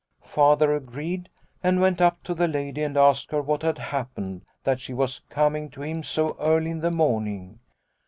Father agreed, and went up to the lady and asked her what had happened that she was coming to him so early in the morning.